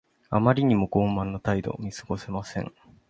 あまりにも傲慢な態度。見過ごせません。